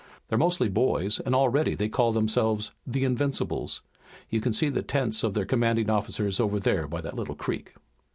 They're mostly boys and already they call themselves 'The Invincibles.' You can see the tents of their commanding officers over there by that little creek."